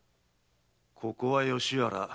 ここは吉原。